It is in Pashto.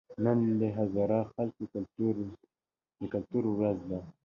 نن د هزاره خلکو د کلتور ورځ ده